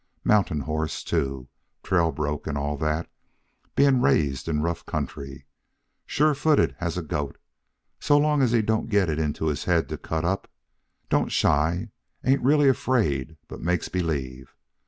Mountain horse, too, trail broke and all that, being raised in rough country. Sure footed as a goat, so long as he don't get it into his head to cut up. Don't shy. Ain't really afraid, but makes believe.